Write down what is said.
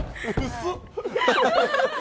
薄っ！